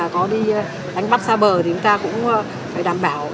có đi đánh bắt xa bờ thì chúng ta cũng phải đảm bảo